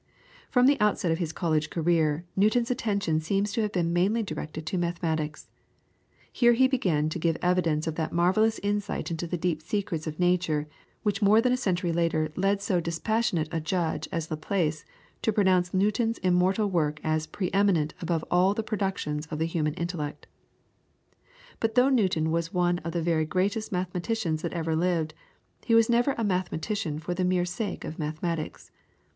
From the outset of his college career, Newton's attention seems to have been mainly directed to mathematics. Here he began to give evidence of that marvellous insight into the deep secrets of nature which more than a century later led so dispassionate a judge as Laplace to pronounce Newton's immortal work as pre eminent above all the productions of the human intellect. But though Newton was one of the very greatest mathematicians that ever lived, he was never a mathematician for the mere sake of mathematics.